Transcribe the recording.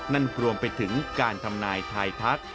นั่นรวมไปถึงการทำนายทายทัก